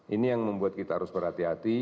ini yang membuat kita harus berhati hati